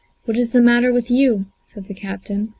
"What is the matter with you?" said the captain.